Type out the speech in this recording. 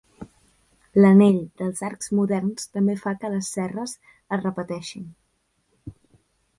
L'anell dels arcs moderns, també fa que les cerres es reparteixin.